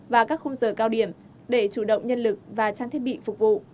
và các khung giờ cao điểm để chủ động nhân lực và trang thiết bị phục vụ